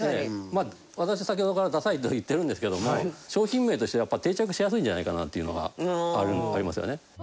まあ私先ほどから「ダサい」と言ってるんですけども商品名としてはやっぱ定着しやすいんじゃないかなっていうのがありますよね。